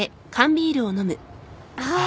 ああ。